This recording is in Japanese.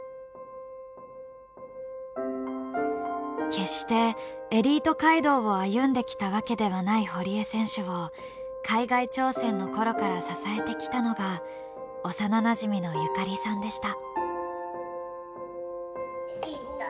決してエリート街道を歩んできたわけではない堀江選手を海外挑戦の頃から支えてきたのが幼なじみの友加里さんでした。